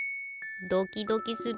ドキドキする。